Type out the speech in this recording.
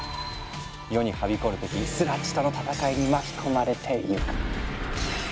世にはびこる敵スラッジとの戦いに巻き込まれていく。